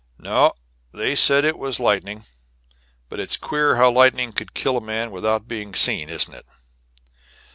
"No, they said it was lightning; but it's queer how lightning could kill a man without being seen, isn't it?"